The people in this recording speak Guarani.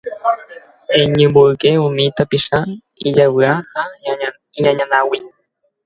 Eñemboykéke umi tapicha ijayvu ha iñañávagui